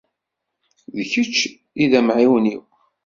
D kečč i d amɛiwen-iw.